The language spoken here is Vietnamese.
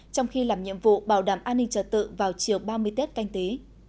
trong khi làm nhiệm vụ bảo đảm an ninh trật tự vào chiều ba mươi tết canh tí